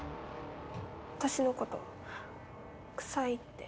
私のこと臭いって。